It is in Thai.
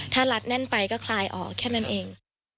ถ้ารัดแน่นไปก็คลายออกแค่นั้นเอง